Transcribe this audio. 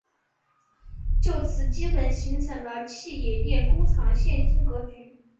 就此基本形成了戚墅堰工厂现今格局。